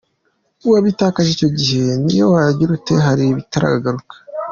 Wabitakaje icyo gihe n’iyo wagira ute hari ibitagaruka.